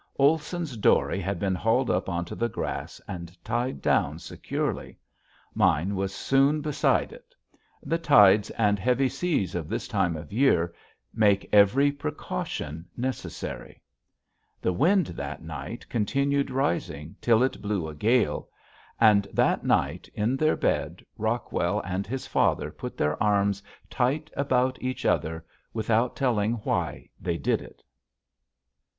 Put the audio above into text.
Olson's dory had been hauled up onto the grass and tied down securely. Mine was soon beside it. The tides and heavy seas of this time of year make every precaution necessary. [Illustration: THE SNOW QUEEN] The wind that night continued rising 'til it blew a gale. And that night in their bed Rockwell and his father put their arms tight about each other without telling why they did it.